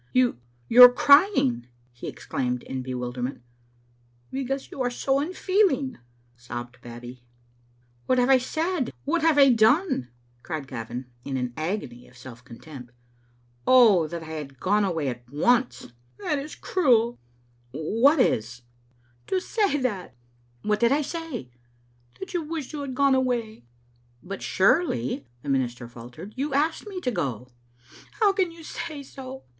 " You — you are crying !" he exclaimed, in bewilder ment "Because you are so unfeeling," sobbed Babbie. "What have I said, what have I done?" cried Gavin, in an agony of self contempt. " Oh, that I had gone away at once!" "That is cruel." "What is?" _ Digitized by VjOOQ IC 17k tsbc Xlttle Afnfeter* "To say that/* "What did I say r "That you wished you had gone away." "But surely," the minister faltered, "you asked me to go." " How can you say so?"